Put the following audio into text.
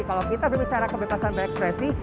kalau kita berbicara kebebasan berekspresi